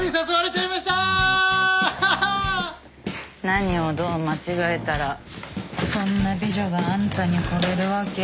何をどう間違えたらそんな美女があんたにほれるわけ？